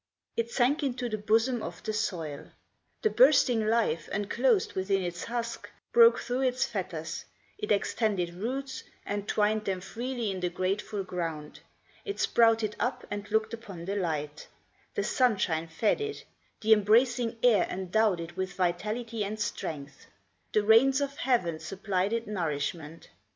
It sank into the bosom of the soil. The bursting life, enclosed within its husk, Broke through its fetters; it extended roots And twined them freely in the grateful ground; It sprouted up and looked upon the light; The sunshine fed it; the embracing air Endowed it with vitality and strength; The rains of heaven supplied it nourishment.